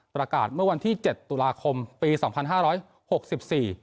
ประกาศเมื่อวันที่๗ตุลาคมปี๒๕๖๔